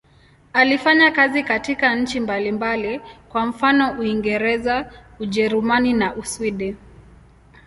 Alifanya kazi katika nchi mbalimbali, kwa mfano Uingereza, Ujerumani na Uswidi.